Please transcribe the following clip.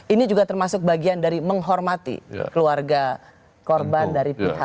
ini juga termasuk bagian dari menghormati keluarga korban dari pihak